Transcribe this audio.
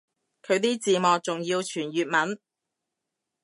佢啲字幕仲要全粵文